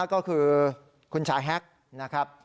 ก็คือคุณชายแฮกนะครับ